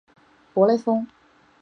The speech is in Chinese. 博内丰。